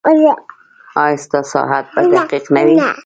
ایا ستاسو ساعت به دقیق نه وي؟